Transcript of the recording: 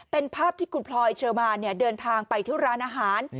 เป็นภาพที่คุณพลอยเชอร์มานเดินทางไปที่ร้านอาหาร